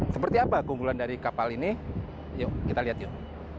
seperti apa keunggulan dari kapal ini yuk kita lihat yuk